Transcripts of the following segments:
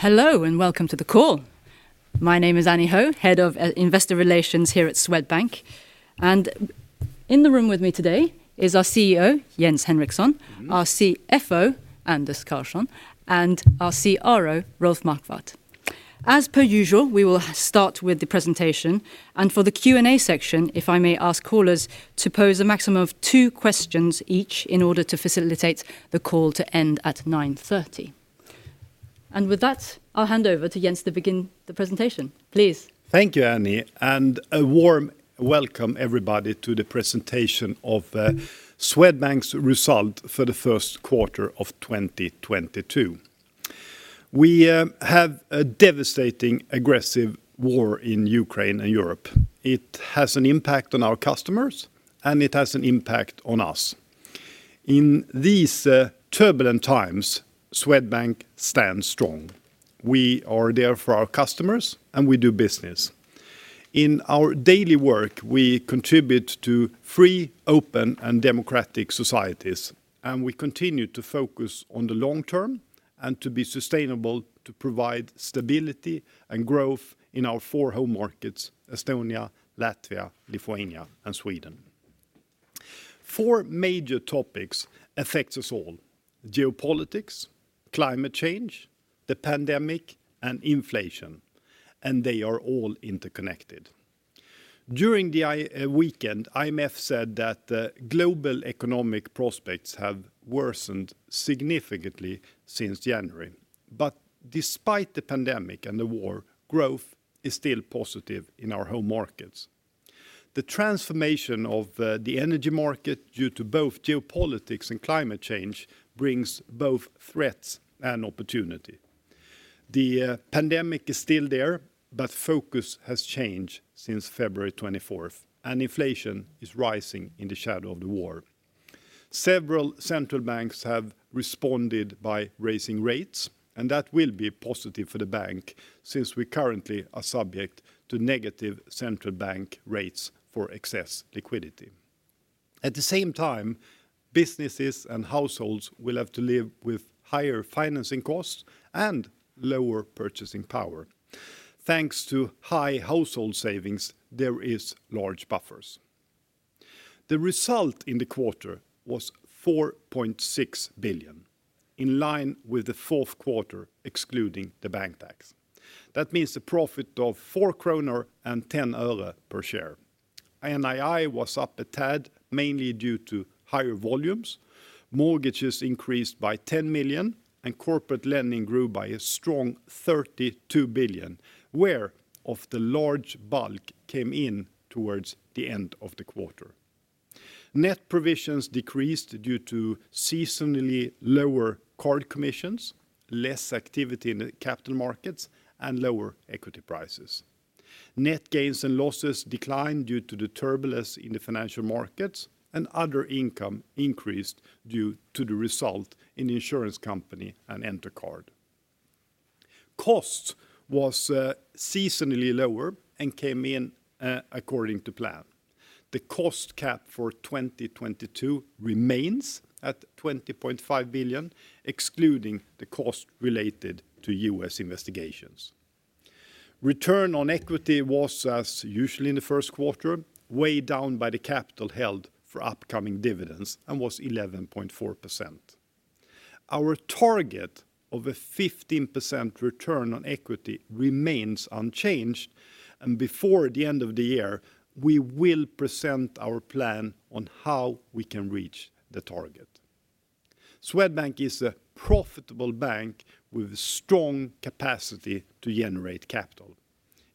Hello, and welcome to the call. My name is Annie Ho, Head of Investor Relations here at Swedbank. In the room with me today is our CEO, Jens Henriksson. Mm-hmm... our CFO, Anders Karlsson, and our CRO, Rolf Marquardt. As per usual, we will start with the presentation, and for the Q&A section, if I may ask callers to pose a maximum of two questions each in order to facilitate the call to end at 9:30 A.M. With that, I'll hand over to Jens to begin the presentation. Please. Thank you, Annie, and a warm welcome everybody to the presentation of Swedbank's result for the first quarter of 2022. We have a devastating aggressive war in Ukraine and Europe. It has an impact on our customers, and it has an impact on us. In these turbulent times, Swedbank stands strong. We are there for our customers, and we do business. In our daily work, we contribute to free, open, and democratic societies, and we continue to focus on the long term and to be sustainable to provide stability and growth in our four home markets, Estonia, Latvia, Lithuania, and Sweden. Four major topics affects us all, geopolitics, climate change, the pandemic, and inflation, and they are all interconnected. During the weekend, IMF said that the global economic prospects have worsened significantly since January. Despite the pandemic and the war, growth is still positive in our home markets. The transformation of the energy market due to both geopolitics and climate change brings both threats and opportunity. The pandemic is still there, but focus has changed since February 24th, and inflation is rising in the shadow of the war. Several central banks have responded by raising rates, and that will be positive for the bank since we currently are subject to negative central bank rates for excess liquidity. At the same time, businesses and households will have to live with higher financing costs and lower purchasing power. Thanks to high household savings, there is large buffers. The result in the quarter was 4.6 billion, in line with the fourth quarter excluding the bank tax. That means the profit of SEK 4.10 per share. NII was up a tad, mainly due to higher volumes. Mortgages increased by 10 million, and corporate lending grew by a strong 32 billion, whereof the large bulk came in towards the end of the quarter. Net provisions decreased due to seasonally lower card commissions, less activity in the capital markets, and lower equity prices. Net gains and losses declined due to the turbulence in the financial markets, and other income increased due to the result in the insurance company and Entercard. Costs was seasonally lower and came in according to plan. The cost cap for 2022 remains at 20.5 billion, excluding the cost related to US investigations. Return on equity was, as usual in the first quarter, way down by the capital held for upcoming dividends and was 11.4%. Our target of a 15% return on equity remains unchanged, and before the end of the year, we will present our plan on how we can reach the target. Swedbank is a profitable bank with a strong capacity to generate capital.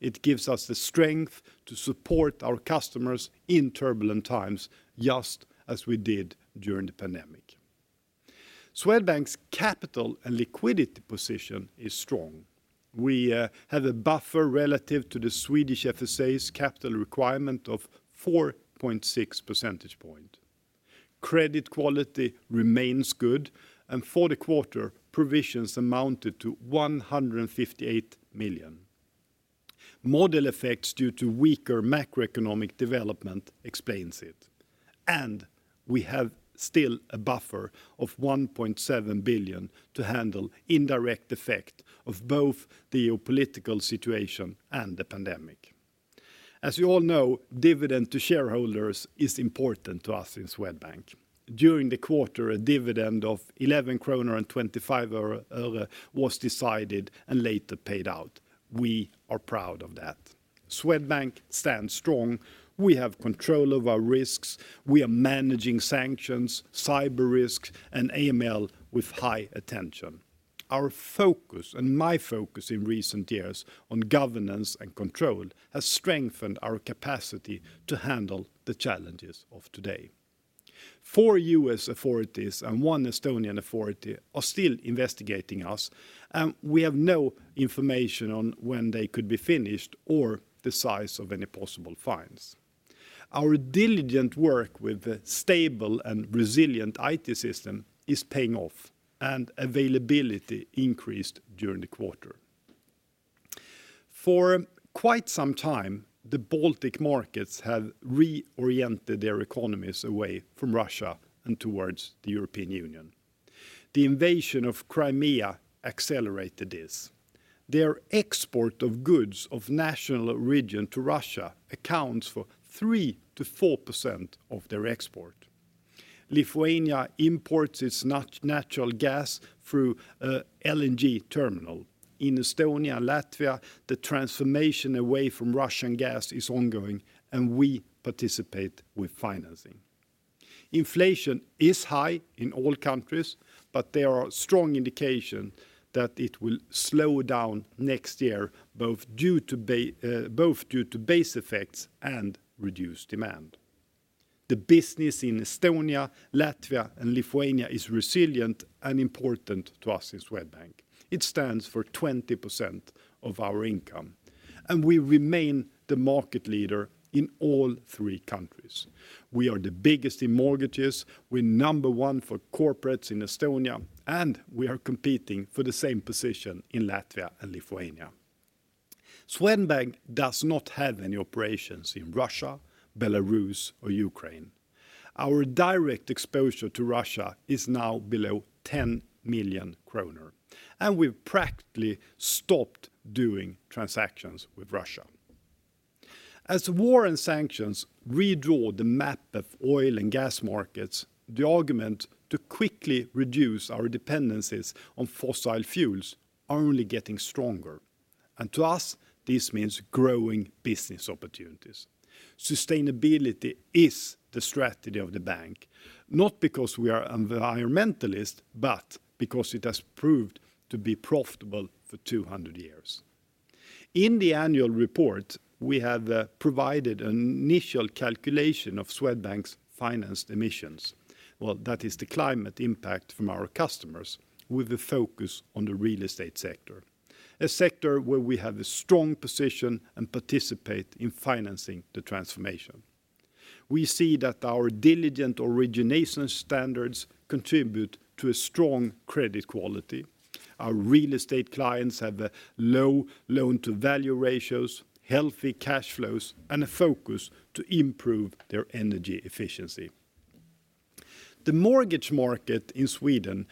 It gives us the strength to support our customers in turbulent times, just as we did during the pandemic. Swedbank's capital and liquidity position is strong. We have a buffer relative to the Swedish FSA's capital requirement of 4.6 percentage point. Credit quality remains good, and for the quarter, provisions amounted to 158 million. Model effects due to weaker macroeconomic development explains it, and we have still a buffer of 1.7 billion to handle indirect effect of both the geopolitical situation and the pandemic. As you all know, dividend to shareholders is important to us in Swedbank. During the quarter, a dividend of 11.25 kronor was decided and later paid out. We are proud of that. Swedbank stands strong. We have control of our risks. We are managing sanctions, cyber risks, and AML with high attention. Our focus and my focus in recent years on governance and control has strengthened our capacity to handle the challenges of today. Four U.S. authorities and one Estonian authority are still investigating us, and we have no information on when they could be finished or the size of any possible fines. Our diligent work with a stable and resilient IT system is paying off, and availability increased during the quarter. For quite some time, the Baltic markets have reoriented their economies away from Russia and towards the European Union. The invasion of Crimea accelerated this. Their export of goods of national origin to Russia accounts for 3%-4% of their export. Lithuania imports its natural gas through a LNG terminal. In Estonia and Latvia, the transformation away from Russian gas is ongoing, and we participate with financing. Inflation is high in all countries, but there are strong indications that it will slow down next year both due to base effects and reduced demand. The business in Estonia, Latvia, and Lithuania is resilient and important to us in Swedbank. It stands for 20% of our income, and we remain the market leader in all three countries. We are the biggest in mortgages, we're number one for corporates in Estonia, and we are competing for the same position in Latvia and Lithuania. Swedbank does not have any operations in Russia, Belarus or Ukraine. Our direct exposure to Russia is now below 10 million kronor, and we've practically stopped doing transactions with Russia. As war and sanctions redraw the map of oil and gas markets, the argument to quickly reduce our dependencies on fossil fuels are only getting stronger. To us, this means growing business opportunities. Sustainability is the strategy of the bank, not because we are environmentalist, but because it has proved to be profitable for 200 years. In the annual report, we have provided an initial calculation of Swedbank's financed emissions. That is the climate impact from our customers with the focus on the real estate sector, a sector where we have a strong position and participate in financing the transformation. We see that our diligent origination standards contribute to a strong credit quality. Our real estate clients have low loan-to-value ratios, healthy cash flows, and a focus to improve their energy efficiency. The mortgage market in Sweden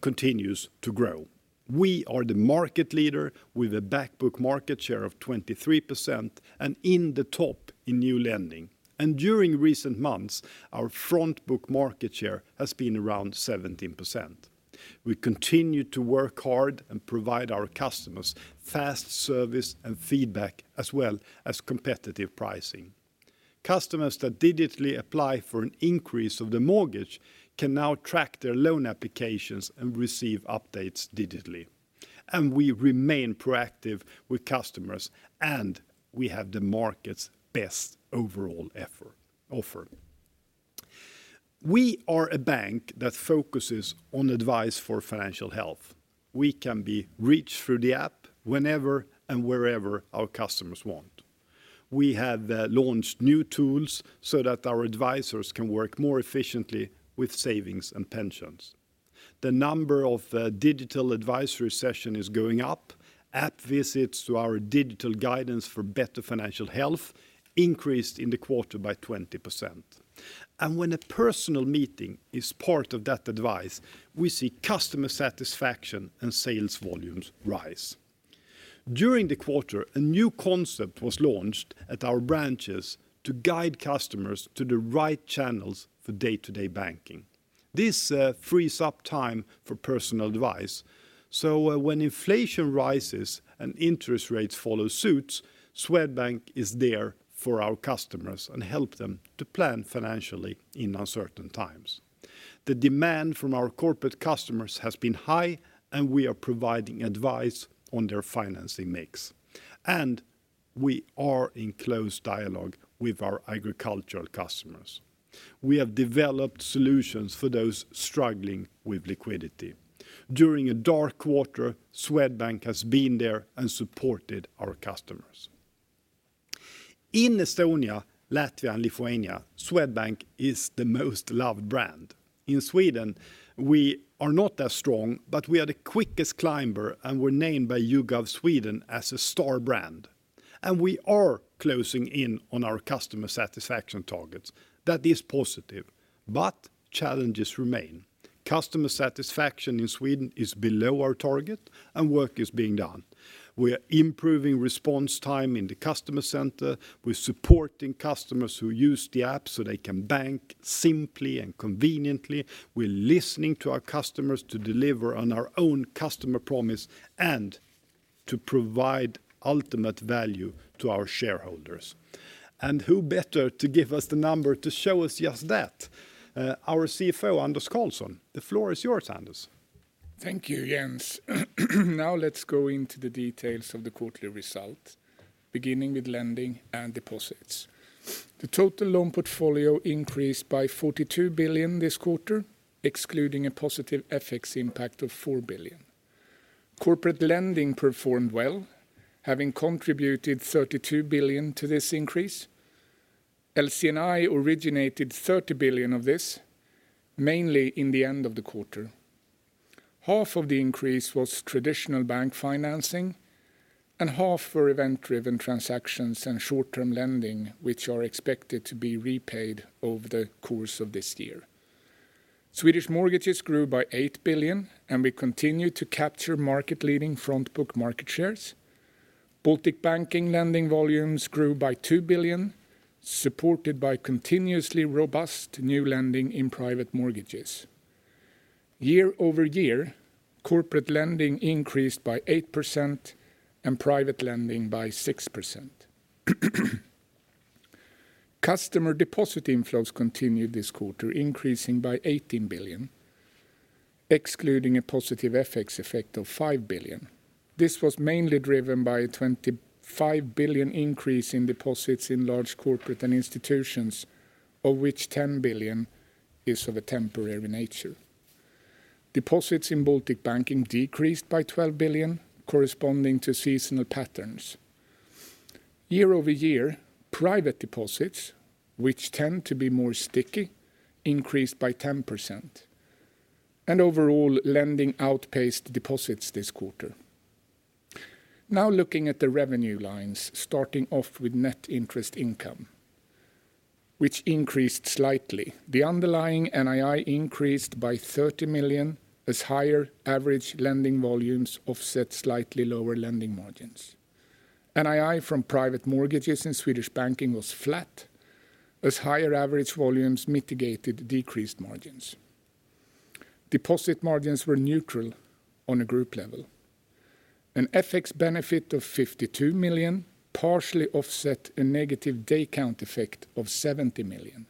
continues to grow. We are the market leader with a back book market share of 23% and in the top in new lending. During recent months, our front book market share has been around 17%. We continue to work hard and provide our customers fast service and feedback as well as competitive pricing. Customers that digitally apply for an increase of the mortgage can now track their loan applications and receive updates digitally. We remain proactive with customers, and we have the market's best overall offer. We are a bank that focuses on advice for financial health. We can be reached through the app whenever and wherever our customers want. We have launched new tools so that our advisors can work more efficiently with savings and pensions. The number of digital advisory session is going up. App visits to our digital guidance for better financial health increased in the quarter by 20%. When a personal meeting is part of that advice, we see customer satisfaction and sales volumes rise. During the quarter, a new concept was launched at our branches to guide customers to the right channels for day-to-day banking. This frees up time for personal advice. When inflation rises and interest rates follow suit, Swedbank is there for our customers and help them to plan financially in uncertain times. The demand from our corporate customers has been high, and we are providing advice on their financing mix. We are in close dialogue with our agricultural customers. We have developed solutions for those struggling with liquidity. During a dark quarter, Swedbank has been there and supported our customers. In Estonia, Latvia, and Lithuania, Swedbank is the most loved brand. In Sweden, we are not as strong, but we are the quickest climber, and we're named by YouGov Sweden as a star brand. We are closing in on our customer satisfaction targets. That is positive, but challenges remain. Customer satisfaction in Sweden is below our target, and work is being done. We're improving response time in the customer center. We're supporting customers who use the app so they can bank simply and conveniently. We're listening to our customers to deliver on our own customer promise and to provide ultimate value to our shareholders. Who better to give us the number to show us just that? Our CFO, Anders Karlsson. The floor is yours, Anders. Thank you, Jens. Now let's go into the details of the quarterly result, beginning with lending and deposits. The total loan portfolio increased by 42 billion this quarter, excluding a positive FX impact of 4 billion. Corporate lending performed well, having contributed 32 billion to this increase. LC&I originated 30 billion of this, mainly in the end of the quarter. Half of the increase was traditional bank financing and half were event-driven transactions and short-term lending, which are expected to be repaid over the course of this year. Swedish mortgages grew by 8 billion, and we continue to capture market-leading front book market shares. Baltic Banking lending volumes grew by 2 billion, supported by continuously robust new lending in private mortgages. YoY, corporate lending increased by 8% and private lending by 6%. Customer deposit inflows continued this quarter, increasing by 18 billion, excluding a positive FX effect of 5 billion. This was mainly driven by a 25 billion increase in deposits in Large Corporates & Institutions, of which 10 billion is of a temporary nature. Deposits in Baltic Banking decreased by 12 billion, corresponding to seasonal patterns. YoY, private deposits, which tend to be more sticky, increased by 10%. Overall lending outpaced deposits this quarter. Now looking at the revenue lines, starting off with net interest income, which increased slightly. The underlying NII increased by 30 million as higher average lending volumes offset slightly lower lending margins. NII from private mortgages in Swedish Banking was flat as higher average volumes mitigated decreased margins. Deposit margins were neutral on a group level. An FX benefit of 52 million partially offset a negative day count effect of 70 million.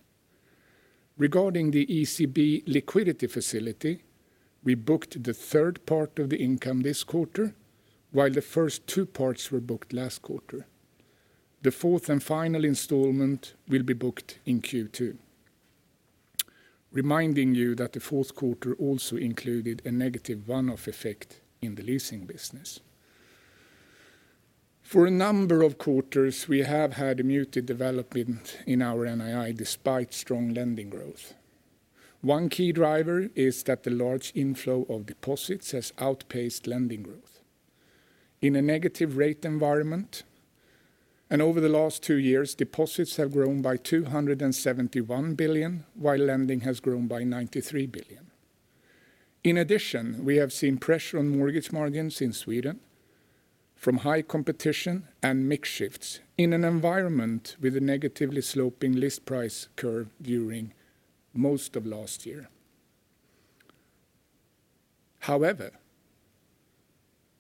Regarding the ECB liquidity facility, we booked the third part of the income this quarter, while the first two parts were booked last quarter. The fourth and final installment will be booked in Q2, reminding you that the fourth quarter also included a negative one-off effect in the leasing business. For a number of quarters, we have had a muted development in our NII despite strong lending growth. One key driver is that the large inflow of deposits has outpaced lending growth. In a negative rate environment, and over the last two years, deposits have grown by 271 billion, while lending has grown by 93 billion. In addition, we have seen pressure on mortgage margins in Sweden from high competition and mix shifts in an environment with a negatively sloping list price curve during most of last year. However,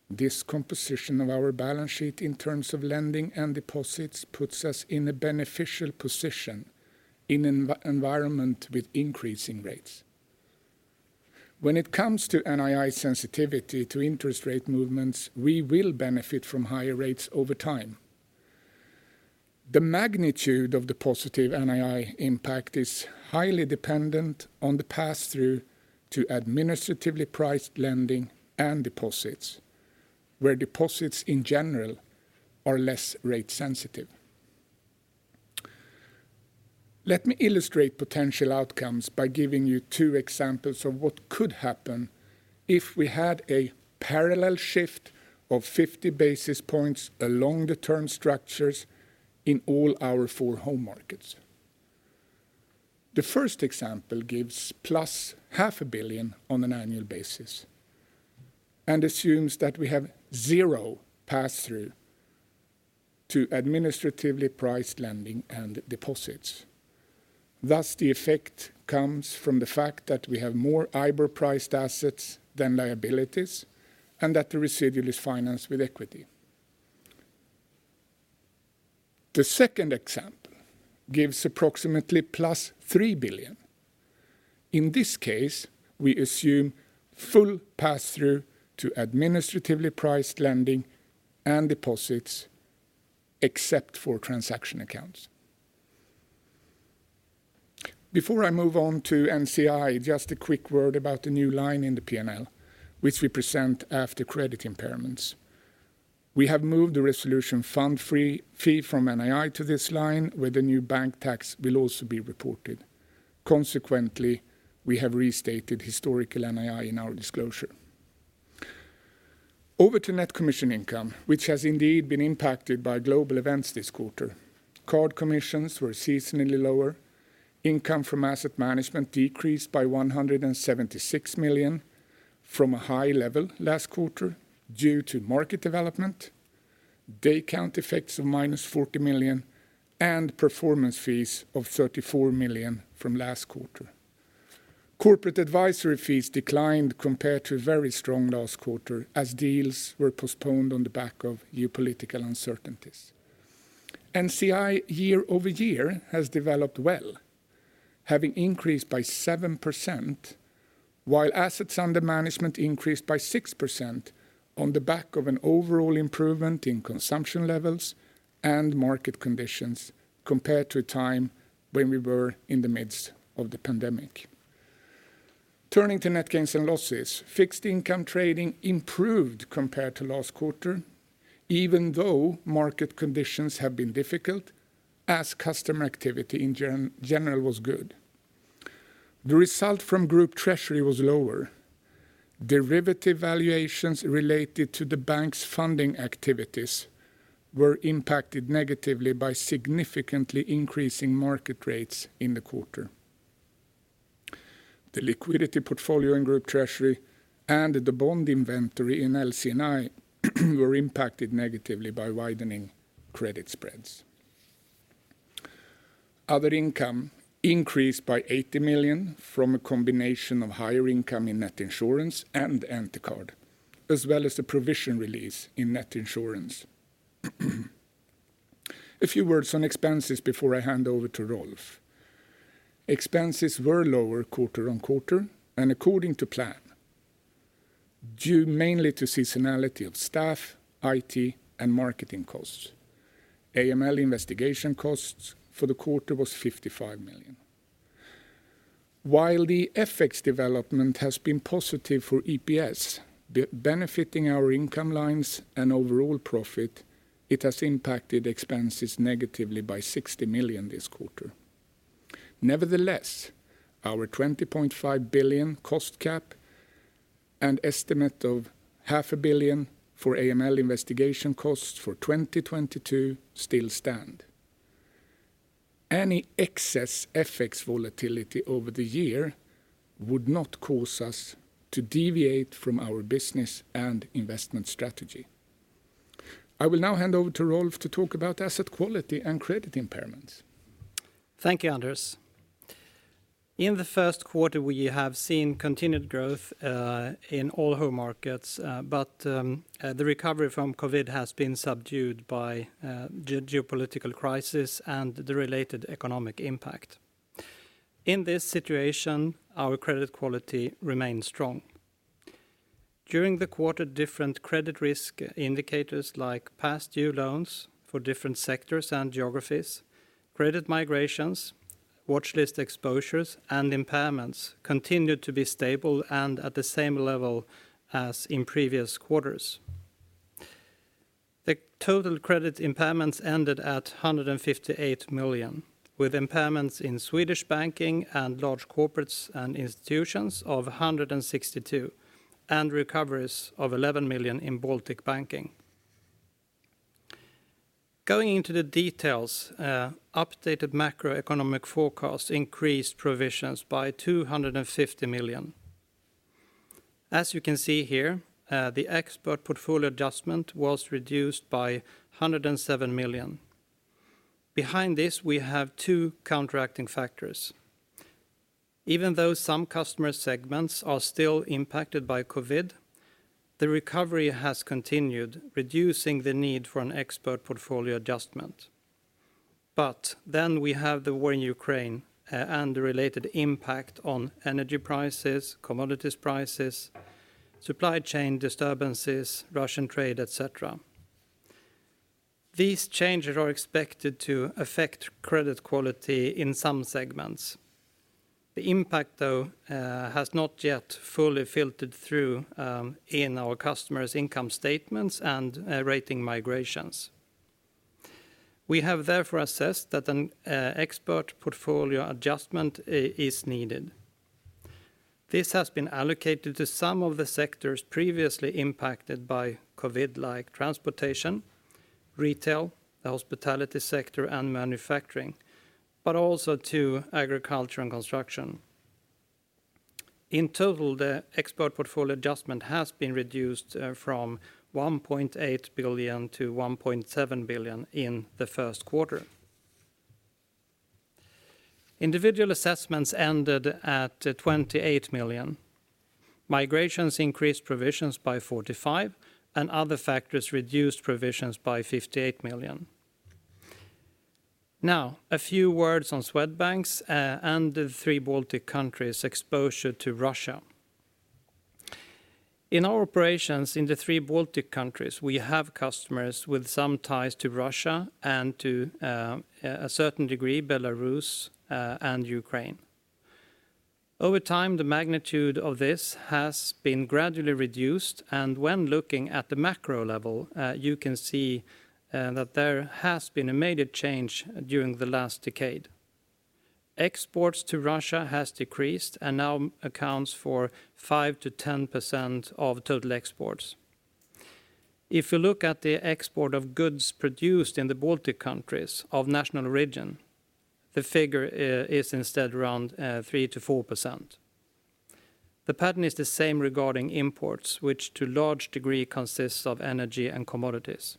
this composition of our balance sheet in terms of lending and deposits puts us in a beneficial position in an environment with increasing rates. When it comes to NII sensitivity to interest rate movements, we will benefit from higher rates over time. The magnitude of the positive NII impact is highly dependent on the pass-through to administratively priced lending and deposits, where deposits in general are less rate sensitive. Let me illustrate potential outcomes by giving you two examples of what could happen if we had a parallel shift of 50 basis points along the term structures in all our four home markets. The first example gives +500 million on an annual basis and assumes that we have zero pass-through to administratively priced lending and deposits. Thus, the effect comes from the fact that we have more IBOR-priced assets than liabilities and that the residual is financed with equity. The second example gives approximately +3 billion. In this case, we assume full pass-through to administratively priced lending and deposits, except for transaction accounts. Before I move on to NCI, just a quick word about the new line in the P&L, which we present after credit impairments. We have moved the resolution fund fee from NII to this line, where the new bank tax will also be reported. Consequently, we have restated historical NII in our disclosure. Over to net commission income, which has indeed been impacted by global events this quarter. Card commissions were seasonally lower. Income from asset management decreased by 176 million from a high level last quarter due to market development, day count effects of -40 million, and performance fees of 34 million from last quarter. Corporate advisory fees declined compared to a very strong last quarter as deals were postponed on the back of geopolitical uncertainties. NCI YoY has developed well, having increased by 7%, while assets under management increased by 6% on the back of an overall improvement in consumption levels and market conditions compared to a time when we were in the midst of the pandemic. Turning to net gains and losses, fixed income trading improved compared to last quarter even though market conditions have been difficult as customer activity in general was good. The result from group treasury was lower. Derivative valuations related to the bank's funding activities were impacted negatively by significantly increasing market rates in the quarter. The liquidity portfolio and group treasury and the bond inventory in LC&I were impacted negatively by widening credit spreads. Other income increased by SEK 80 million from a combination of higher income in net insurance and Entercard, as well as the provision release in net insurance. A few words on expenses before I hand over to Rolf. Expenses were lower QoQ and according to plan, due mainly to seasonality of staff, IT, and marketing costs. AML investigation costs for the quarter was 55 million. While the FX development has been positive for EPS, benefiting our income lines and overall profit, it has impacted expenses negatively by 60 million this quarter. Nevertheless, our 20.5 billion cost cap and estimate of 500 million for AML investigation costs for 2022 still stand. Any excess FX volatility over the year would not cause us to deviate from our business and investment strategy. I will now hand over to Rolf to talk about asset quality and credit impairments. Thank you, Anders. In the first quarter, we have seen continued growth in all home markets, but the recovery from COVID has been subdued by geopolitical crisis and the related economic impact. In this situation, our credit quality remains strong. During the quarter, different credit risk indicators like past due loans for different sectors and geographies, credit migrations, watchlist exposures, and impairments continued to be stable and at the same level as in previous quarters. The total credit impairments ended at 158 million, with impairments in Swedish Banking and Large Corporates & Institutions of 162 million, and recoveries of 11 million in Baltic Banking. Going into the details, updated macroeconomic forecast increased provisions by 250 million. As you can see here, the expert portfolio adjustment was reduced by 107 million. Behind this, we have two counteracting factors. Even though some customer segments are still impacted by COVID, the recovery has continued, reducing the need for an expert portfolio adjustment. We have the war in Ukraine, and the related impact on energy prices, commodities prices, supply chain disturbances, Russian trade, et cetera. These changes are expected to affect credit quality in some segments. The impact though, has not yet fully filtered through, in our customers' income statements and, rating migrations. We have therefore assessed that an expert portfolio adjustment is needed. This has been allocated to some of the sectors previously impacted by COVID, like transportation, retail, the hospitality sector, and manufacturing, but also to agriculture and construction. In total, the expert portfolio adjustment has been reduced, from 1.8 billion to 1.7 billion in the first quarter. Individual assessments ended at 28 million. Migrations increased provisions by 45 million, and other factors reduced provisions by 58 million. Now, a few words on Swedbank's and the three Baltic countries' exposure to Russia. In our operations in the three Baltic countries, we have customers with some ties to Russia and to a certain degree Belarus and Ukraine. Over time, the magnitude of this has been gradually reduced and when looking at the macro level, you can see that there has been a major change during the last decade. Exports to Russia has decreased and now accounts for 5%-10% of total exports. If you look at the export of goods produced in the Baltic countries of national origin, the figure is instead around 3%-4%. The pattern is the same regarding imports, which to large degree consists of energy and commodities.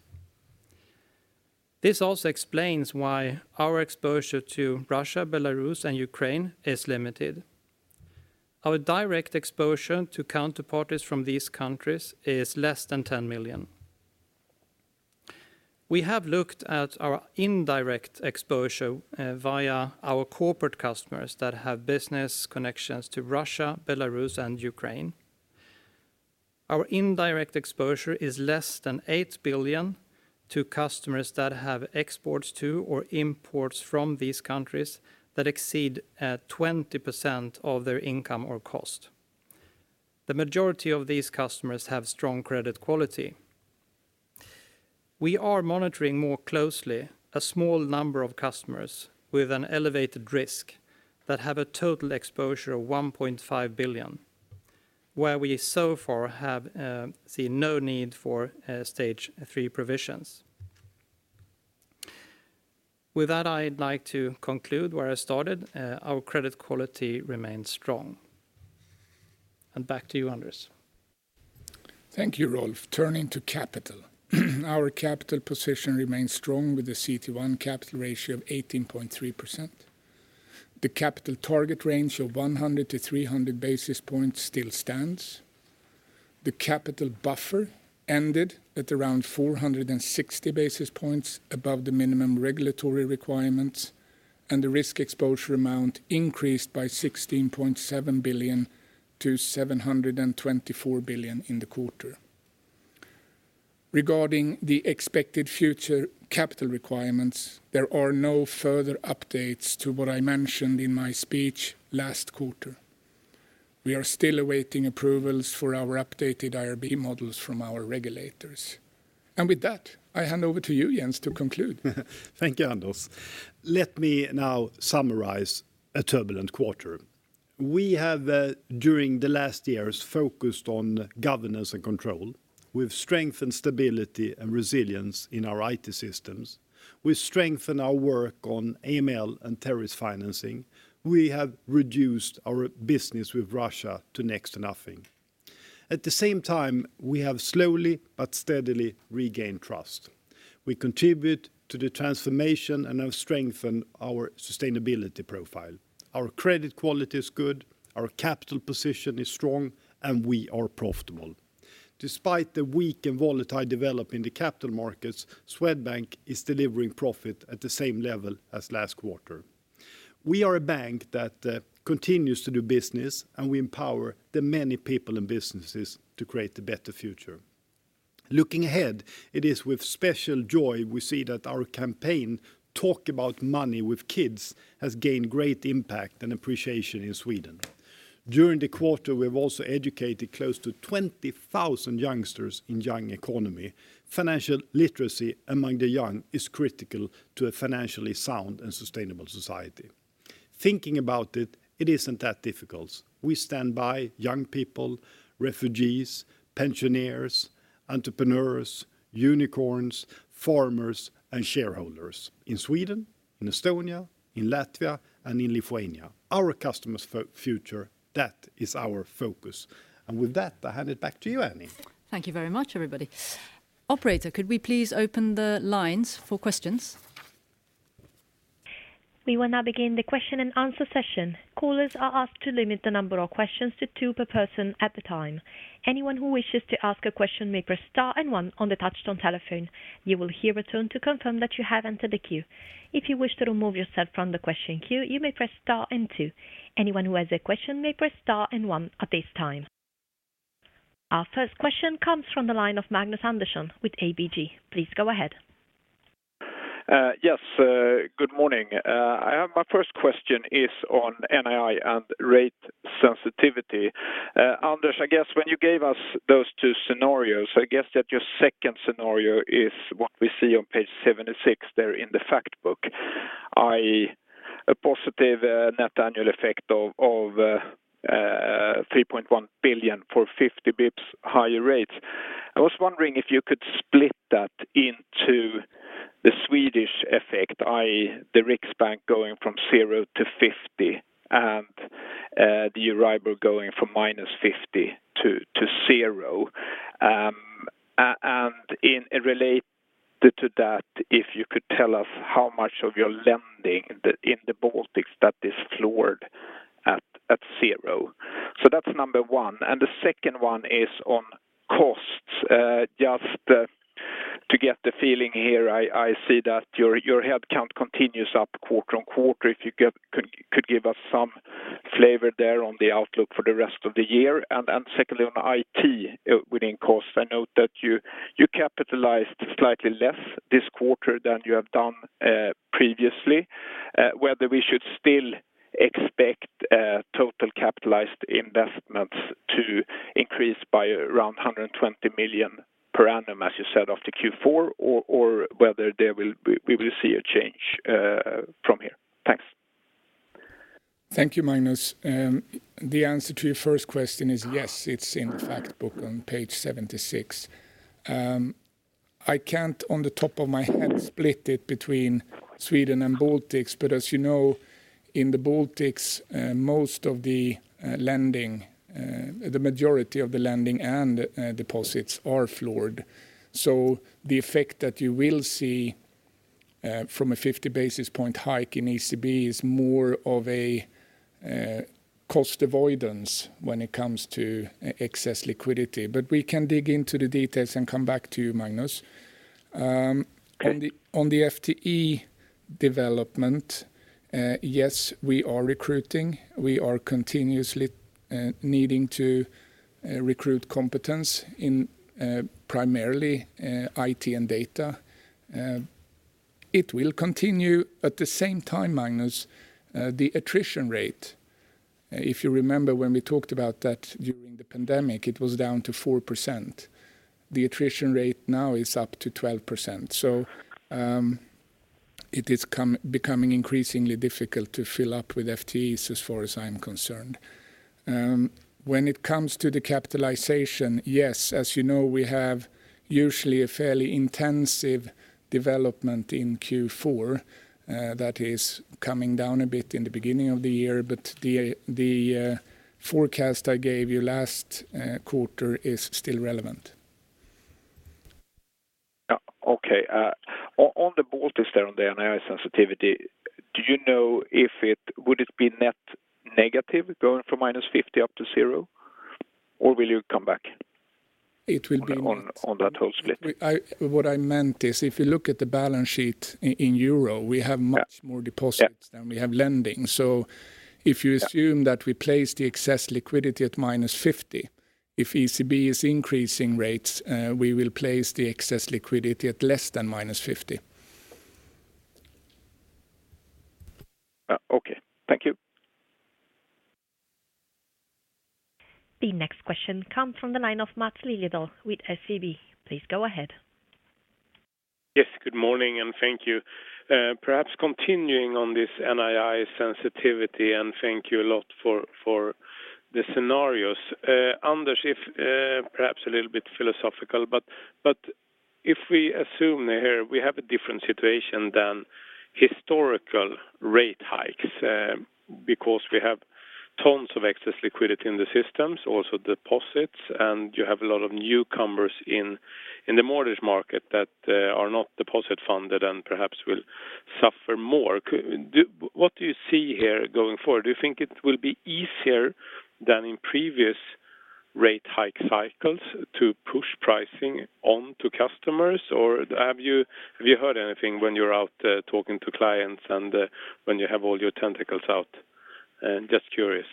This also explains why our exposure to Russia, Belarus, and Ukraine is limited. Our direct exposure to counterparties from these countries is less than 10 million. We have looked at our indirect exposure via our corporate customers that have business connections to Russia, Belarus, and Ukraine. Our indirect exposure is less than 8 billion to customers that have exports to or imports from these countries that exceed 20% of their income or cost. The majority of these customers have strong credit quality. We are monitoring more closely a small number of customers with an elevated risk that have a total exposure of 1.5 billion, where we so far have seen no need for Stage 3 provisions. With that, I'd like to conclude where I started, our credit quality remains strong. Back to you, Anders. Thank you, Rolf. Turning to capital. Our capital position remains strong with the CET1 capital ratio of 18.3%. The capital target range of 100-300 basis points still stands. The capital buffer ended at around 460 basis points above the minimum regulatory requirements, and the risk exposure amount increased by 16.7 billion-724 billion in the quarter. Regarding the expected future capital requirements, there are no further updates to what I mentioned in my speech last quarter. We are still awaiting approvals for our updated IRB models from our regulators. With that, I hand over to you, Jens, to conclude. Thank you, Anders. Let me now summarize a turbulent quarter. We have during the last years focused on governance and control with strength and stability and resilience in our IT systems. We strengthen our work on AML and terrorist financing. We have reduced our business with Russia to next to nothing. At the same time, we have slowly but steadily regained trust. We contribute to the transformation and have strengthened our sustainability profile. Our credit quality is good, our capital position is strong, and we are profitable. Despite the weak and volatile development in the capital markets, Swedbank is delivering profit at the same level as last quarter. We are a bank that continues to do business, and we empower the many people and businesses to create a better future. Looking ahead, it is with special joy we see that our campaign, Talk About Money With Kids, has gained great impact and appreciation in Sweden. During the quarter, we've also educated close to 20,000 youngsters in Ung ekonomi. Financial literacy among the young is critical to a financially sound and sustainable society. Thinking about it isn't that difficult. We stand by young people, refugees, pensioners, entrepreneurs, unicorns, farmers, and shareholders in Sweden, in Estonia, in Latvia, and in Lithuania. Our customers' future, that is our focus. With that, I hand it back to you, Annie. Thank you very much, everybody. Operator, could we please open the lines for questions? We will now begin the question and answer session. Callers are asked to limit the number of questions to two per person at a time. Anyone who wishes to ask a question may press star and one on the touch-tone telephone. You will hear a tone to confirm that you have entered the queue. If you wish to remove yourself from the question queue, you may press star and two. Anyone who has a question may press star and one at this time. Our first question comes from the line of Magnus Andersson with ABG. Please go ahead. Yes, good morning. My first question is on NII and rate sensitivity. Anders, I guess when you gave us those two scenarios, I guess that your second scenario is what we see on page 76 there in the fact book, i.e., a positive net annual effect of 3.1 billion for 50 basis points higher rates. I was wondering if you could split that into the Swedish effect, i.e., the Riksbank going from 0 to 50 and the Euribor going from -50 to 0. And in relation to that, if you could tell us how much of your lending in the Baltics that is floored at 0. That's number one. The second one is on costs. Just to get the feeling here, I see that your headcount continues up quarter-on-quarter. If you could give us some flavor there on the outlook for the rest of the year. Secondly, on IT within costs, I note that you capitalized slightly less this quarter than you have done previously. Whether we should still expect total capitalized investments to increase by around 120 million per annum, as you said, after Q4 or whether there will be a change from here. Thanks. Thank you, Magnus. The answer to your first question is yes, it's in the fact book on page 76. I can't off the top of my head split it between Sweden and Baltics, but as you know, in the Baltics, most of the lending, the majority of the lending and deposits are floored. The effect that you will see from a 50 basis point hike in ECB is more of a cost avoidance when it comes to excess liquidity. We can dig into the details and come back to you, Magnus. On the FTE development, yes, we are recruiting. We are continuously needing to recruit competence in primarily IT and data. It will continue at the same time Magnus, the attrition rate, if you remember when we talked about that during the pandemic, it was down to 4%. The attrition rate now is up to 12%. It is becoming increasingly difficult to fill up with FTEs as far as I'm concerned. When it comes to the capitalization, yes, as you know, we have usually a fairly intensive development in Q4, that is coming down a bit in the beginning of the year, but the forecast I gave you last quarter is still relevant. On the whole, is the NII sensitivity, do you know if it would be net negative going from -50 up to 0 or will it come back? It will be. On that whole split. What I meant is if you look at the balance sheet in euro. Yeah. We have much more deposits. Yeah. than we have lending. Yeah. Assume that we place the excess liquidity at -50. If ECB is increasing rates, we will place the excess liquidity at less than -50. Okay. Thank you. The next question comes from the line of Mats Liss with Kepler Cheuvreux. Please go ahead. Yes, good morning, and thank you. Perhaps continuing on this NII sensitivity, and thank you a lot for the scenarios. Anders, perhaps a little bit philosophical, but if we assume here we have a different situation than historical rate hikes, because we have tons of excess liquidity in the systems, also deposits, and you have a lot of newcomers in the mortgage market that are not deposit funded and perhaps will suffer more. What do you see here going forward? Do you think it will be easier than in previous rate hike cycles to push pricing on to customers? Or have you heard anything when you're out talking to clients and when you have all your tentacles out? Just curious.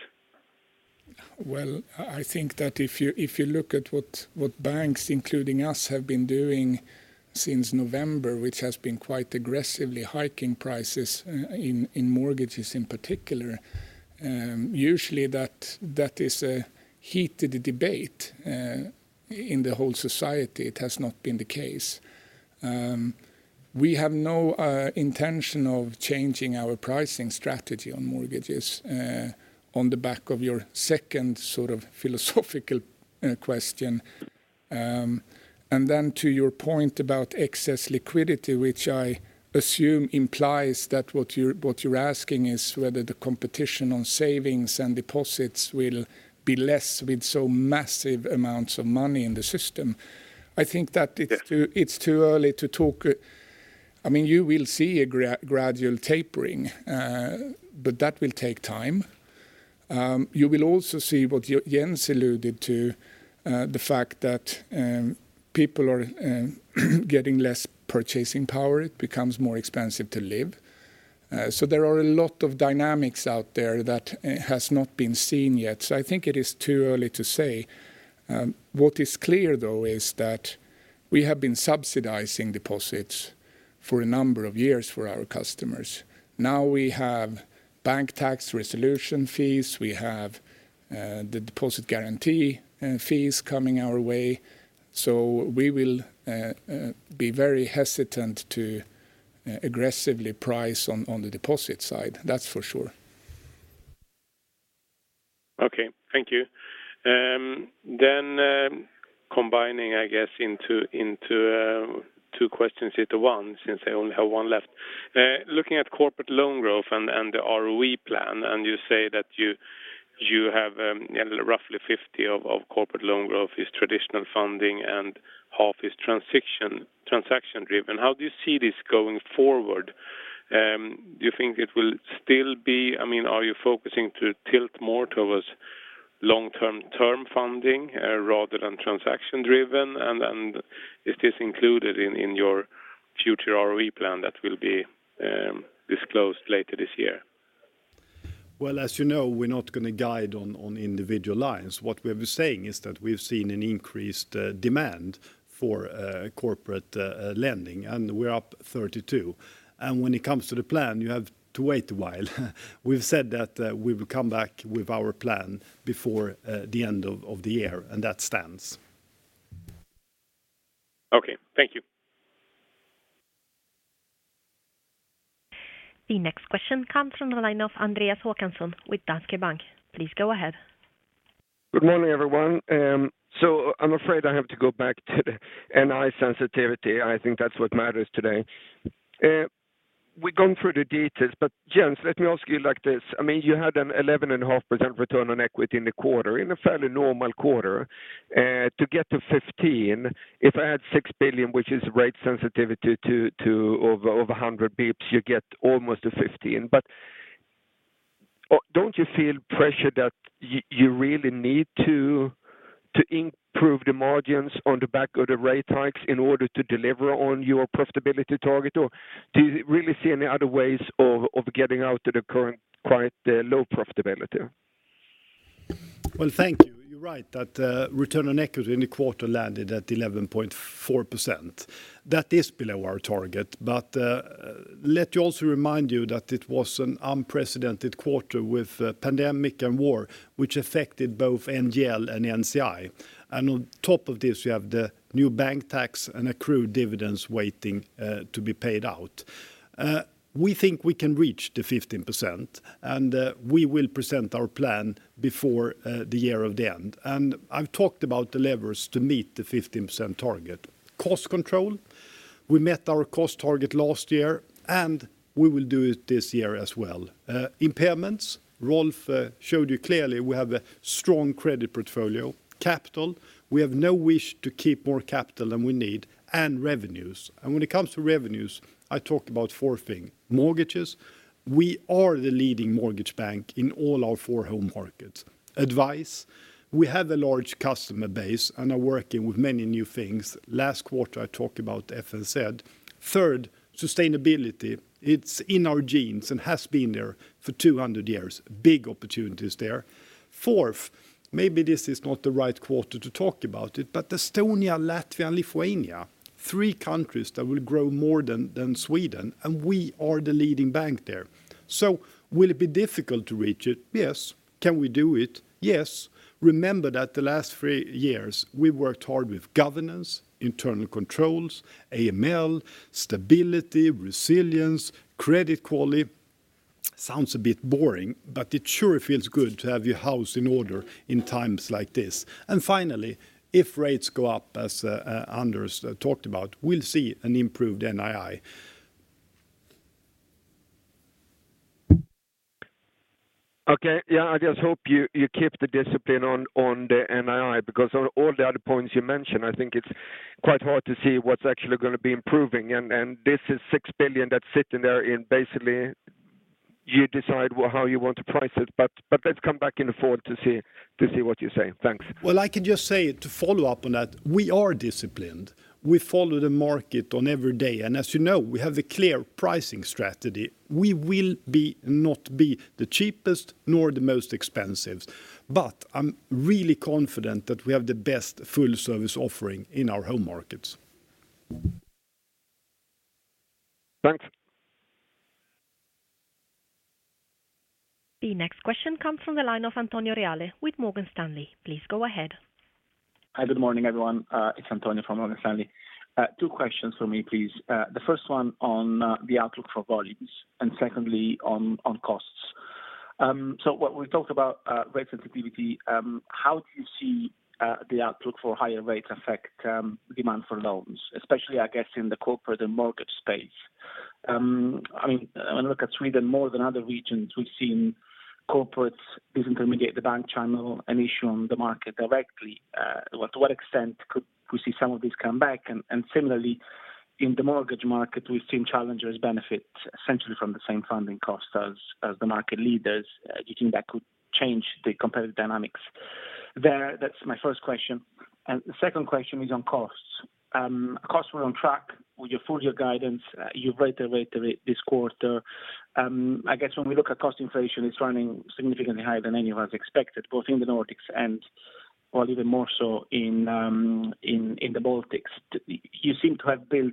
Well, I think that if you look at what banks including us have been doing since November, which has been quite aggressively hiking prices in mortgages in particular, usually that is a heated debate in the whole society. It has not been the case. We have no intention of changing our pricing strategy on mortgages on the back of your second sort of philosophical question. To your point about excess liquidity, which I assume implies that what you're asking is whether the competition on savings and deposits will be less with so massive amounts of money in the system. I think that it's too- Yeah. It's too early to talk. I mean, you will see a gradual tapering, but that will take time. You will also see what Jens alluded to, the fact that people are getting less purchasing power. It becomes more expensive to live. There are a lot of dynamics out there that has not been seen yet. I think it is too early to say. What is clear though is that we have been subsidizing deposits for a number of years for our customers. Now we have bank tax, resolution fees. We have the deposit guarantee fees coming our way. We will be very hesitant to aggressively price on the deposit side. That's for sure. Okay. Thank you. Combining, I guess, into two questions into one since I only have one left. Looking at corporate loan growth and the ROE plan, and you say that you have roughly 50% of corporate loan growth is traditional funding and half is transaction-driven. How do you see this going forward? Do you think it will still be? I mean, are you focusing to tilt more towards long-term funding, rather than transaction-driven? Is this included in your future ROE plan that will be disclosed later this year? Well, as you know, we're not gonna guide on individual lines. What we've been saying is that we've seen an increased demand for corporate lending, and we're up 32%. When it comes to the plan, you have to wait a while. We've said that we will come back with our plan before the end of the year, and that stands. Okay. Thank you. The next question comes from the line of Andreas Håkansson with Danske Bank. Please go ahead. Good morning, everyone. So I'm afraid I have to go back to the NII sensitivity. I think that's what matters today. We've gone through the details, but Jens, let me ask you like this. I mean, you had an 11.5% return on equity in the quarter, in a fairly normal quarter. To get to 15, if I add 6 billion, which is rate sensitivity to over 100 basis points, you get almost a 15. Don't you feel pressure that you really need to improve the margins on the back of the rate hikes in order to deliver on your profitability target? Or do you really see any other ways of getting out to the current quite low profitability? Well, thank you. You're right that return on equity in the quarter landed at 11.4%. That is below our target. Let me also remind you that it was an unprecedented quarter with pandemic and war, which affected both NGL and NCI. On top of this, you have the new bank tax and accrued dividends waiting to be paid out. We think we can reach the 15%, and we will present our plan before the end of the year. I've talked about the levers to meet the 15% target. Cost control, we met our cost target last year, and we will do it this year as well. Impairments, Rolf showed you clearly we have a strong credit portfolio. Capital, we have no wish to keep more capital than we need, and revenues. When it comes to revenues, I talk about four things. Mortgages, we are the leading mortgage bank in all our four home markets. Advice, we have a large customer base and are working with many new things. Last quarter, I talked about FNZ. Third, sustainability. It's in our genes and has been there for 200 years. Big opportunities there. Fourth, maybe this is not the right quarter to talk about it, but Estonia, Latvia, and Lithuania, three countries that will grow more than Sweden, and we are the leading bank there. Will it be difficult to reach it? Yes. Can we do it? Yes. Remember that the last three years, we worked hard with governance, internal controls, AML, stability, resilience, credit quality. Sounds a bit boring, but it sure feels good to have your house in order in times like this. Finally, if rates go up, as Anders talked about, we'll see an improved NII. Okay. Yeah, I just hope you keep the discipline on the NII because on all the other points you mentioned, I think it's quite hard to see what's actually gonna be improving. This is 6 billion that's sitting there and basically you decide how you want to price it. Let's come back in the forward to see what you say. Thanks. Well, I can just say to follow up on that, we are disciplined. We follow the market on every day. As you know, we have the clear pricing strategy. We will not be the cheapest nor the most expensive. I'm really confident that we have the best full service offering in our home markets. Thanks. The next question comes from the line of Antonio Reale with Morgan Stanley. Please go ahead. Hi, good morning, everyone. It's Antonio from Morgan Stanley. Two questions for me, please. The first one on the outlook for volumes, and secondly on costs. So what we talked about, rate sensitivity, how do you see the outlook for higher rates affect demand for loans, especially, I guess, in the corporate and mortgage space? I mean, when I look at Sweden more than other regions, we've seen corporates disintermediate the bank channel and issue on the market directly. To what extent could we see some of these come back? And similarly in the mortgage market, we've seen challengers benefit essentially from the same funding costs as the market leaders. Do you think that could change the competitive dynamics there? That's my first question. And the second question is on costs. Costs were on track with your full year guidance. You've reiterated it this quarter. I guess when we look at cost inflation, it's running significantly higher than any of us expected, both in the Nordics and, well, even more so in the Baltics. You seem to have built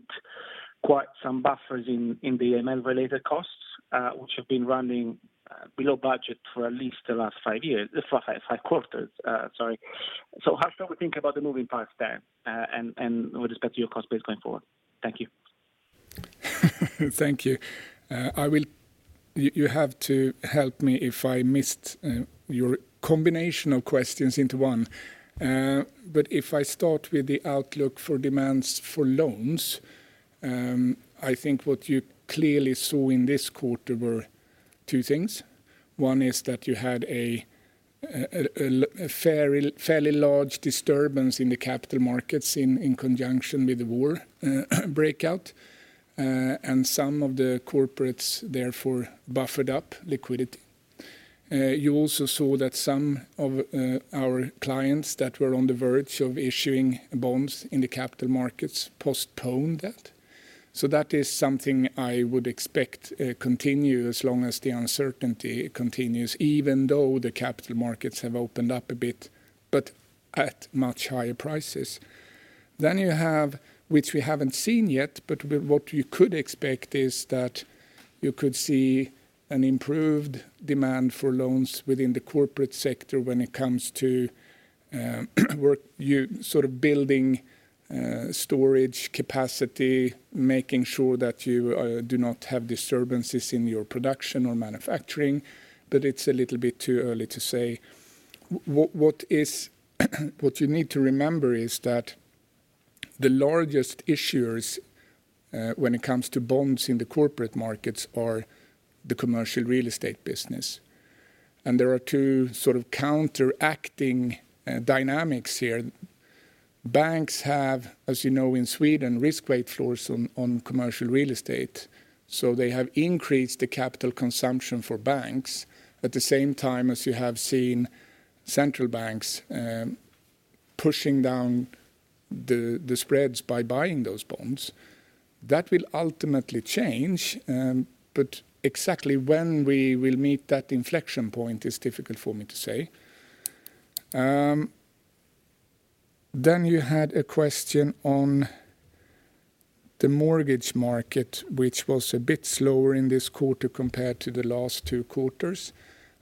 quite some buffers in the AML-related costs, which have been running below budget for at least the last five years. The last five quarters, sorry. How should we think about the moving parts there, and with respect to your cost base going forward? Thank you. Thank you. You have to help me if I missed your combination of questions into one. If I start with the outlook for demands for loans, I think what you clearly saw in this quarter were two things. One is that you had a fairly large disturbance in the capital markets in conjunction with the war breakout, and some of the corporates therefore buffered up liquidity. You also saw that some of our clients that were on the verge of issuing bonds in the capital markets postponed that. That is something I would expect continue as long as the uncertainty continues, even though the capital markets have opened up a bit, but at much higher prices. You have, which we haven't seen yet, but what you could expect is that you could see an improved demand for loans within the corporate sector when it comes to work, you sort of building storage capacity, making sure that you do not have disturbances in your production or manufacturing, but it's a little bit too early to say. What you need to remember is that the largest issuers, when it comes to bonds in the corporate markets are the commercial real estate business. There are two sort of counteracting dynamics here. Banks have, as you know, in Sweden, risk weight floors on commercial real estate, so they have increased the capital consumption for banks at the same time as you have seen central banks pushing down the spreads by buying those bonds. That will ultimately change, but exactly when we will meet that inflection point is difficult for me to say. You had a question on the mortgage market, which was a bit slower in this quarter compared to the last two quarters.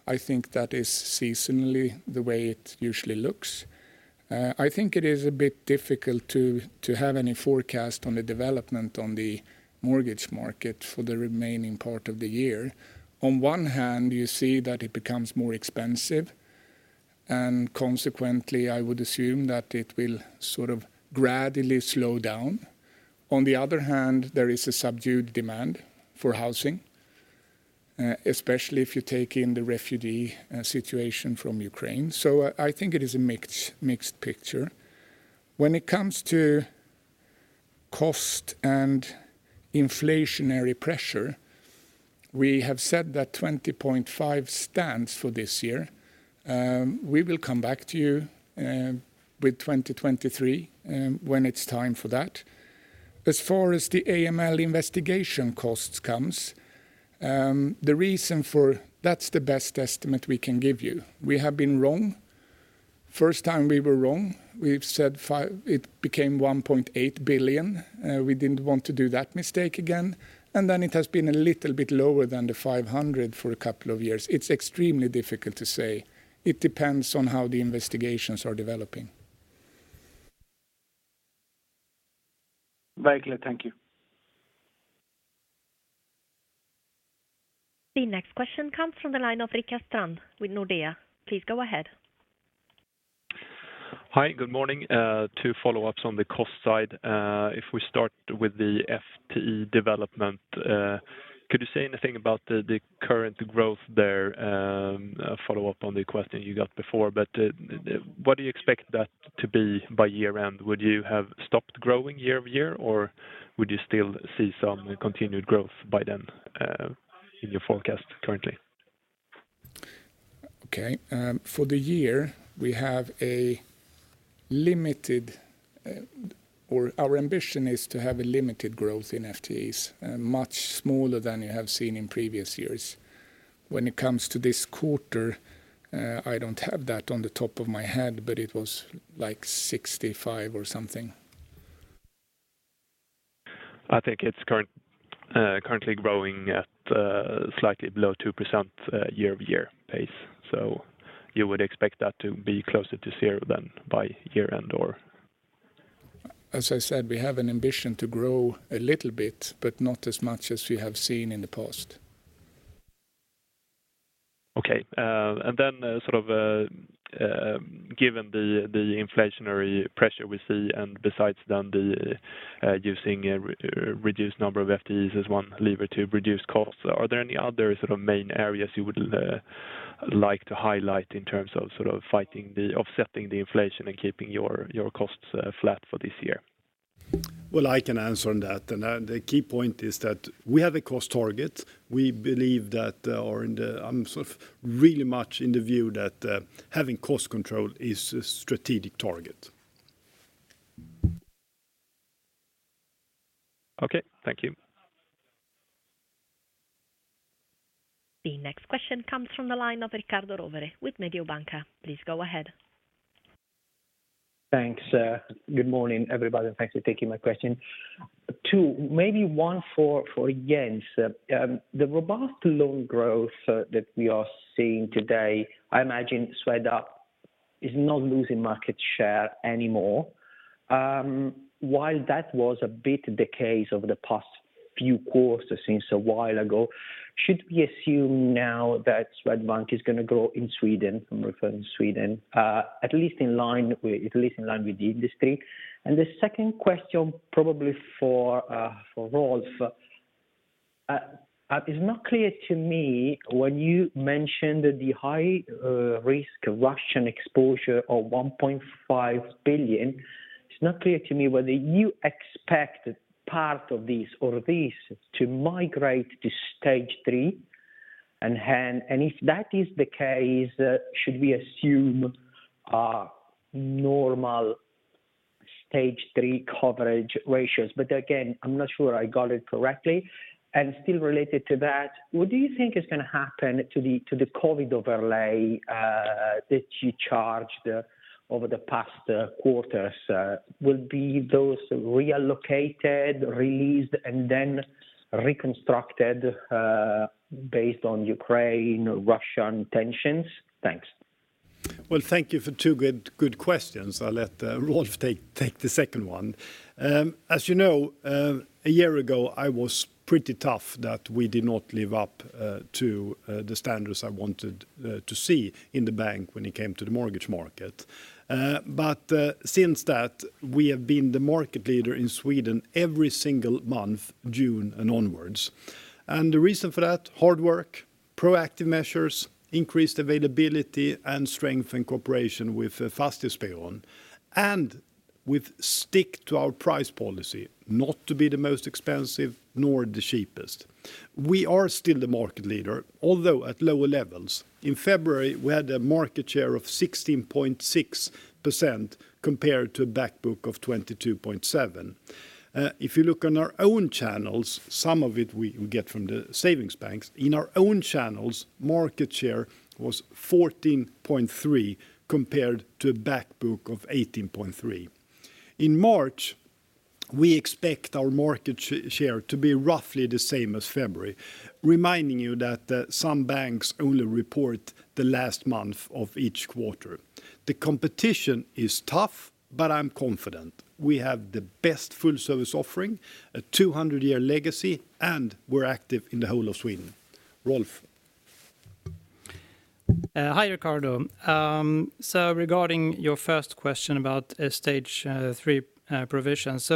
I think that is seasonally the way it usually looks. I think it is a bit difficult to have any forecast on the development on the mortgage market for the remaining part of the year. On one hand, you see that it becomes more expensive and consequently I would assume that it will sort of gradually slow down. On the other hand, there is a subdued demand for housing, especially if you take in the refugee situation from Ukraine. I think it is a mixed picture. When it comes to cost and inflationary pressure, we have said that 20.5% stands for this year. We will come back to you with 2023 when it's time for that. As far as the AML investigation costs comes. That's the best estimate we can give you. We have been wrong. First time we were wrong, we've said 5 billion. It became 1.8 billion. We didn't want to do that mistake again. It has been a little bit lower than the 500 million for a couple of years. It's extremely difficult to say. It depends on how the investigations are developing. Very clear. Thank you. The next question comes from the line of Rickard Strand with Nordea. Please go ahead. Hi, good morning. Two follow-ups on the cost side. If we start with the FTE development, could you say anything about the current growth there, a follow-up on the question you got before? What do you expect that to be by year end? Would you have stopped growing YoY or would you still see some continued growth by then, in your forecast currently? Okay. For the year, we have a limited, or our ambition is to have a limited growth in FTEs, much smaller than you have seen in previous years. When it comes to this quarter, I don't have that on the top of my head, but it was like 65 or something. I think it's currently growing at slightly below 2% YoY pace. You would expect that to be closer to 0% than by year-end or? As I said, we have an ambition to grow a little bit, but not as much as we have seen in the past. Okay. Sort of, given the inflationary pressure we see and besides the using a reduced number of FTEs as one lever to reduce costs, are there any other sort of main areas you would like to highlight in terms of sort of offsetting the inflation and keeping your costs flat for this year? Well, I can answer on that. The key point is that we have a cost target. We believe that I'm sort of really much in the view that having cost control is a strategic target. Okay, thank you. The next question comes from the line of Riccardo Rovere with Mediobanca. Please go ahead. Thanks. Good morning, everybody, and thanks for taking my question. Two, maybe one for Jens. The robust loan growth that we are seeing today, I imagine Swedbank is not losing market share anymore. While that was a bit the case over the past few quarters since a while ago, should we assume now that Swedbank is gonna grow in Sweden, I'm referring to Sweden, at least in line with the industry? The second question probably for Rolf. It's not clear to me when you mentioned the high-risk Russian exposure of 1.5 billion, it's not clear to me whether you expect part of this or this to migrate to Stage 3. If that is the case, should we assume normal Stage 3 coverage ratios? Again, I'm not sure I got it correctly. Still related to that, what do you think is gonna happen to the COVID overlay that you charged over the past quarters? Will those be relocated, released, and then reconstructed based on Ukraine-Russian tensions? Thanks. Well, thank you for two good questions. I'll let Rolf take the second one. As you know, a year ago, I was pretty tough that we did not live up to the standards I wanted to see in the bank when it came to the mortgage market. Since that, we have been the market leader in Sweden every single month, June onwards. The reason for that, hard work. Proactive measures, increased availability and strengthened cooperation with Fastighetsbyrån and sticking to our price policy not to be the most expensive nor the cheapest. We are still the market leader, although at lower levels. In February, we had a market share of 16.6% compared to a back book of 22.7%. If you look on our own channels, some of it we get from the savings banks. In our own channels, market share was 14.3% compared to a back book of 18.3%. In March, we expect our market share to be roughly the same as February, reminding you that some banks only report the last month of each quarter. The competition is tough, but I'm confident. We have the best full service offering, a 200-year legacy, and we're active in the whole of Sweden. Rolf. Hi, Riccardo. Regarding your first question about Stage 3 provisions.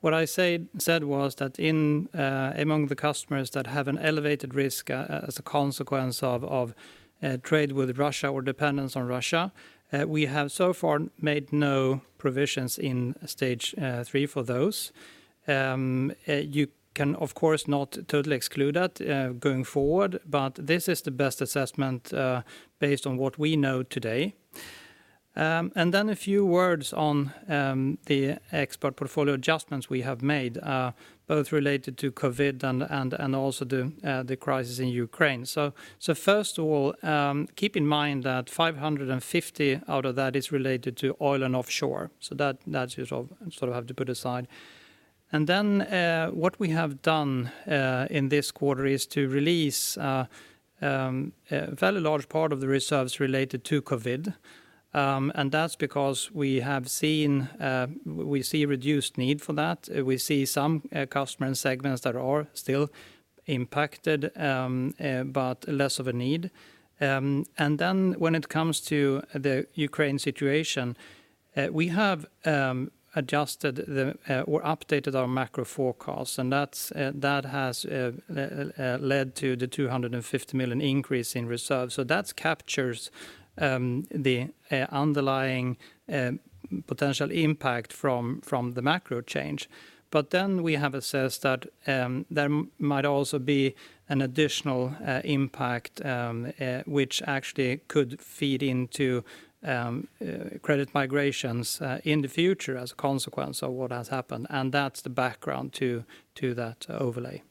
What I said was that among the customers that have an elevated risk as a consequence of trade with Russia or dependence on Russia, we have so far made no provisions in Stage 3 for those. You can, of course, not totally exclude that going forward, but this is the best assessment based on what we know today. Then a few words on the expert portfolio adjustments we have made, both related to COVID and also the crisis in Ukraine. First of all, keep in mind that 550 out of that is related to oil and offshore. That you sort of have to put aside. What we have done in this quarter is to release a very large part of the reserves related to COVID. That's because we have seen, we see reduced need for that. We see some customer segments that are still impacted, but less of a need. When it comes to the Ukraine situation, we have adjusted or updated our macro forecasts, and that has led to the 250 million increase in reserves. That captures the underlying potential impact from the macro change. We have assessed that there might also be an additional impact which actually could feed into credit migrations in the future as a consequence of what has happened. That's the background to that overlay.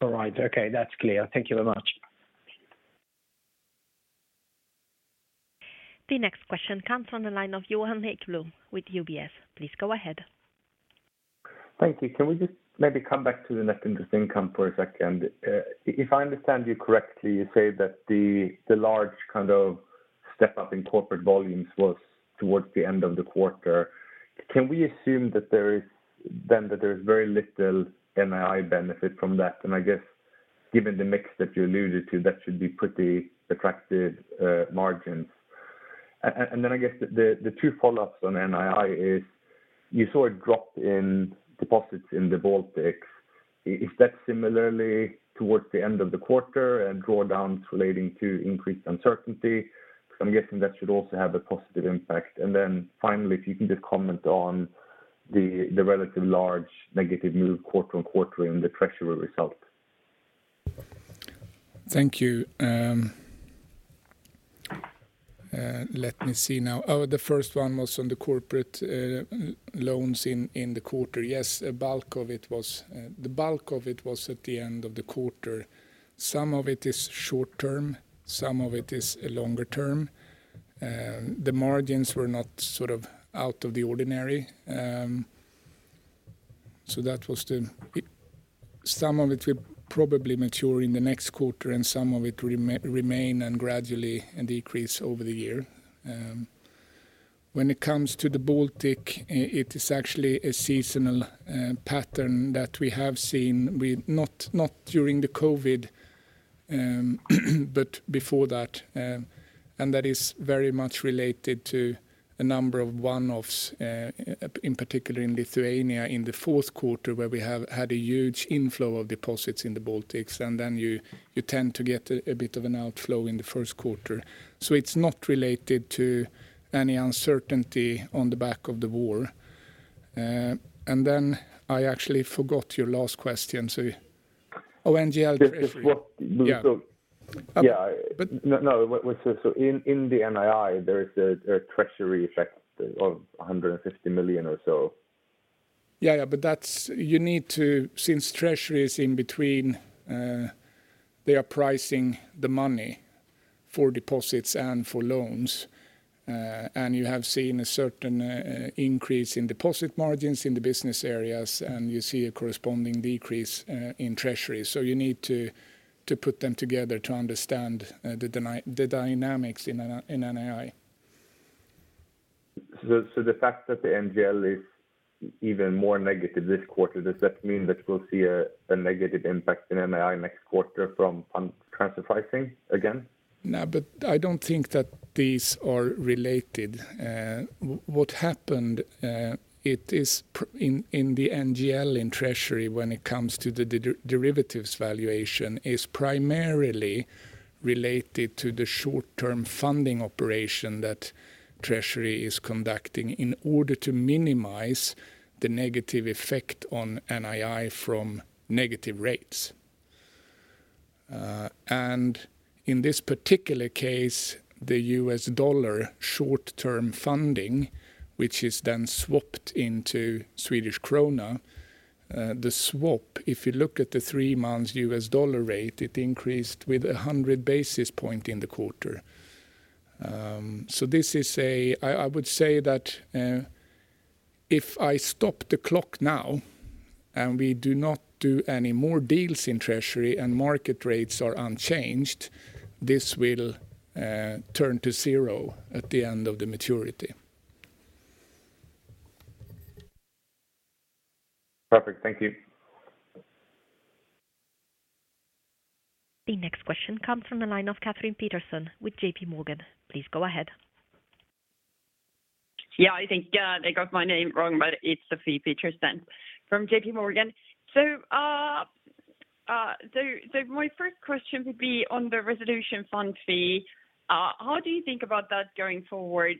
All right. Okay. That's clear. Thank you very much. The next question comes from the line of Johan Ekblom with UBS. Please go ahead. Thank you. Can we just maybe come back to the net interest income for a second? If I understand you correctly, you say that the large kind of step up in corporate volumes was towards the end of the quarter. Can we assume that there is very little NII benefit from that? And I guess given the mix that you alluded to, that should be pretty attractive margins. And then I guess the two follow-ups on NII is you saw a drop in deposits in the Baltics. Is that similarly towards the end of the quarter and drawdowns relating to increased uncertainty? Because I'm guessing that should also have a positive impact. And then finally, if you can just comment on the relative large negative move quarter-on-quarter in the treasury results. Thank you. Let me see now. The first one was on the corporate loans in the quarter. Yes, the bulk of it was at the end of the quarter. Some of it is short term, some of it is longer term. The margins were not sort of out of the ordinary. That was the. Some of it will probably mature in the next quarter, and some of it remain and gradually decrease over the year. When it comes to the Baltic, it is actually a seasonal pattern that we have seen, not during the COVID, but before that. That is very much related to a number of one-offs, in particular in Lithuania in the fourth quarter, where we have had a huge inflow of deposits in the Baltics. You tend to get a bit of an outflow in the first quarter. It's not related to any uncertainty on the back of the war. I actually forgot your last question. Oh, NGL Treasury. This is what- Yeah. So- Uh. Yeah. But- No. What? So in the NII, there is a treasury effect of 150 million or so. Yeah, yeah. You need to since treasury is in between, they are pricing the money for deposits and for loans. And you have seen a certain increase in deposit margins in the business areas, and you see a corresponding decrease in treasury. You need to put them together to understand the dynamics in NII. The fact that the NGL is even more negative this quarter, does that mean that we'll see a negative impact in NII next quarter from the transfer pricing again? I don't think that these are related. What happened in the NGL in treasury when it comes to the derivatives valuation is primarily related to the short-term funding operation that treasury is conducting in order to minimize the negative effect on NII from negative rates. In this particular case, the US dollar short-term funding, which is then swapped into Swedish krona, the swap, if you look at the three-month US dollar rate, it increased by 100 basis points in the quarter. I would say that if I stop the clock now and we do not do any more deals in treasury and market rates are unchanged, this will turn to zero at the end of the maturity. Perfect. Thank you. The next question comes from the line of Sofie Peterzens with J.P. Morgan. Please go ahead. Yeah, I think they got my name wrong, but it's Sofie Peterzens from J.P. Morgan. My first question would be on the resolution fund fee. How do you think about that going forward?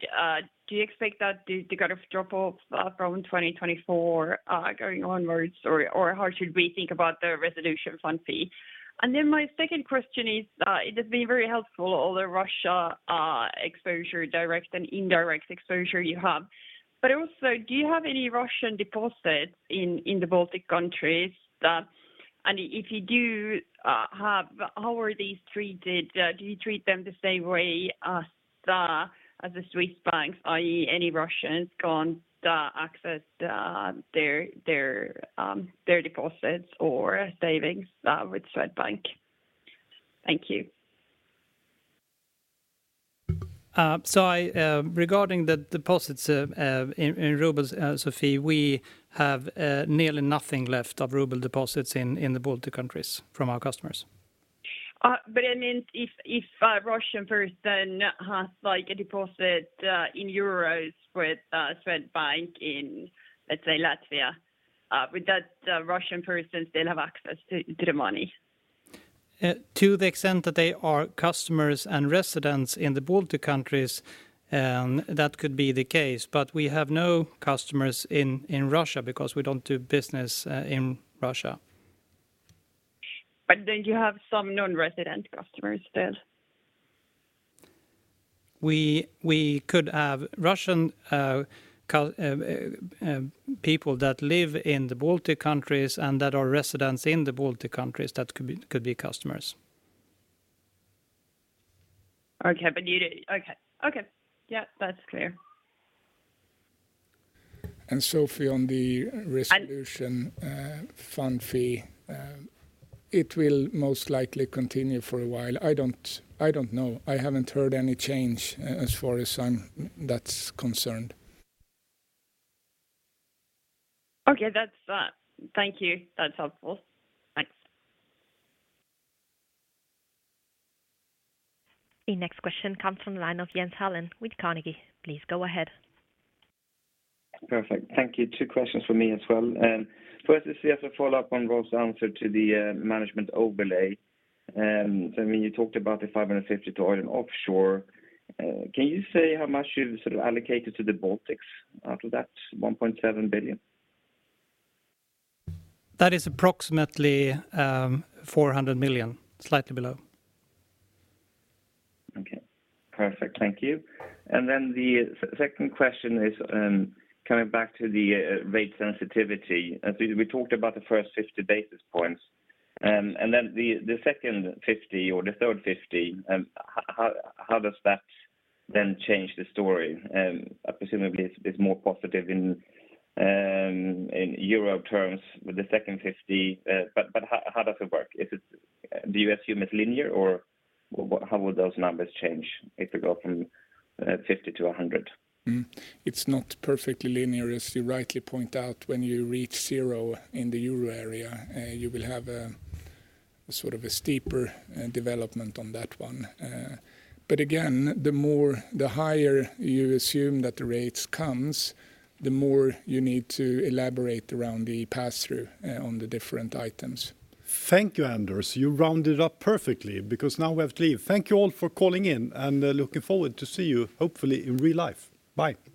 Do you expect that to kind of drop off from 2024 going onwards or how should we think about the resolution fund fee? My second question is, it has been very helpful all the Russian exposure direct and indirect exposure you have. But also, do you have any Russian deposits in the Baltic countries that? And if you do have, how are these treated? Do you treat them the same way as the Swiss banks, i.e., any Russians can't access their deposits or savings with Swedbank? Thank you. Regarding the deposits in rubles, Sofie, we have nearly nothing left of ruble deposits in the Baltic countries from our customers. I meant if a Russian person has like a deposit in euros with Swedbank in, let's say, Latvia, would that Russian person still have access to the money? To the extent that they are customers and residents in the Baltic countries, that could be the case. We have no customers in Russia because we don't do business in Russia. Don't you have some non-resident customers there? We could have Russian people that live in the Baltic countries and that are residents in the Baltic countries that could be customers. Okay. Yeah, that's clear. Sofie, on the resolution- I- Fund fee, it will most likely continue for a while. I don't know. I haven't heard any change as far as that's concerned. Okay. Thank you. That's helpful. Thanks. The next question comes from the line of Jens Hallén with Carnegie. Please go ahead. Perfect. Thank you. Two questions for me as well. First is we have to follow up on Rob's answer to the management overlay. I mean, you talked about the 550 to oil and offshore. Can you say how much you've sort of allocated to the Baltics out of that 1.7 billion? That is approximately 400 million, slightly below. Okay. Perfect. Thank you. The second question is coming back to the rate sensitivity. As we talked about the first 50 basis points, and then the second 50 or the third 50, how does that then change the story? Presumably it's more positive in euro terms with the second 50. But how does it work? Is it? Do you assume it's linear or what? How would those numbers change if you go from 50 to 100? Mm-hmm. It's not perfectly linear. As you rightly point out, when you reach zero in the euro area, you will have a sort of a steeper development on that one. But again, the more, the higher you assume that the rates comes, the more you need to elaborate around the pass-through on the different items. Thank you, Anders. You rounded up perfectly because now we have to leave. Thank you all for calling in, and looking forward to see you, hopefully in real life. Bye